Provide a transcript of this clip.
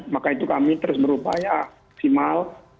maka itu kami terus berupaya maksimal